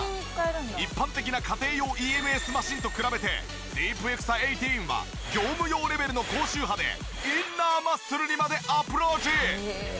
一般的な家庭用ＥＭＳマシンと比べてディープエクサ１８は業務用レベルの高周波でインナーマッスルにまでアプローチ！